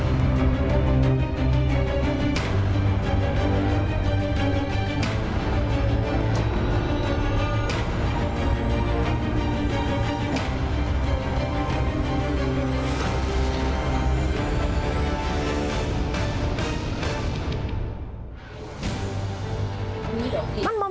วิทยาลัยศาสตร์อัศวิทยาลัยศาสตร์